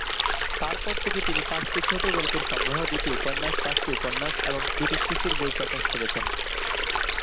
তার পর থেকে তিনি পাঁচটি ছোট গল্পের সংগ্রহ, দুটি উপন্যাস, পাঁচটি উপন্যাস এবং দুটি শিশুর বই প্রকাশ করেছেন।